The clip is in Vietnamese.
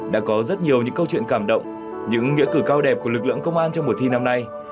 đã có rất nhiều những câu chuyện cảm động những nghĩa cử cao đẹp của lực lượng công an trong mùa thi năm nay